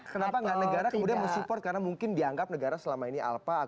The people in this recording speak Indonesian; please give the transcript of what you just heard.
kenapa nggak negara kemudian mensupport karena mungkin dianggap negara selama ini alpa